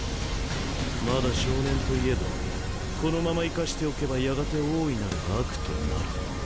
まだ少年といえどこのまま生かしておけばやがて大いなる悪となる。